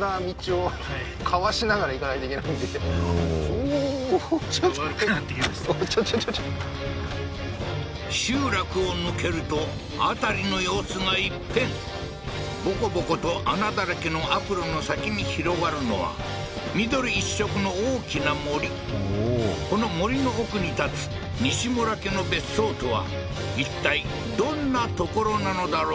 そうですねええ道がおぉ集落を抜けると辺りの様子が一変ボコボコと穴だらけの悪路の先に広がるのは緑一色の大きな森この森の奥に建つ西村家の別荘とはいったいどんな所なのだろう？